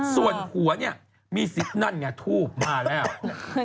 ส่วนผัวเนี่ยมีสิทธิ์นั่นไงทูบมาแล้ว